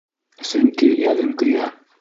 Сөнки йәнем көйә.